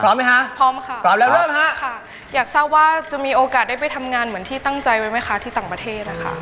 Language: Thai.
ไหมคะพร้อมค่ะพร้อมแล้วเริ่มฮะค่ะอยากทราบว่าจะมีโอกาสได้ไปทำงานเหมือนที่ตั้งใจไว้ไหมคะที่ต่างประเทศนะคะ